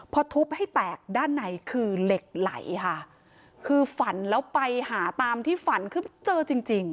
พอทุบให้แตกด้านในคือเหล็กไหลค่ะคือฝันแล้วไปหาตามที่ฝันคือเจอจริงจริง